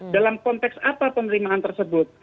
dalam konteks apa penerimaan tersebut